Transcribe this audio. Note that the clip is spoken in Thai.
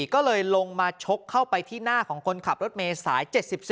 ก็เลยลงมาชกเข้าไปที่หน้าของคนขับรถเมย์สาย๗๔